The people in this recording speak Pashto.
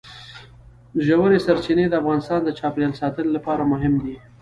ژورې سرچینې د افغانستان د چاپیریال ساتنې لپاره مهم دي.